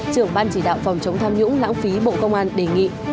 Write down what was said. trưởng ban chỉ đạo phòng chống tham nhũng lãng phí bộ công an đề nghị